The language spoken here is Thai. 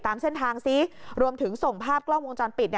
ตามเส้นทางซิรวมถึงส่งภาพกล้องวงจรปิด